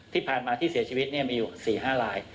ที่ผ่านมาที่เสียชีวิตมีอยู่๔๕ลาย